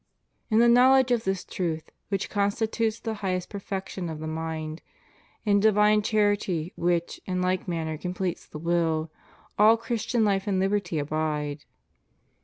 * In the knowledge of this truth, which constitutes the highest perfection of the mind; in di\ine charity which, in like manner, completes the will, all Christian life and hberty abide.